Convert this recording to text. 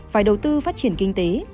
phải đầu tư phát triển kinh tế